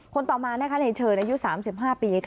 คนต่อมาในเชิญอายุ๓๕ปี